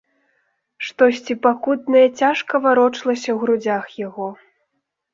Штосьці пакутнае цяжка варочалася ў грудзях яго.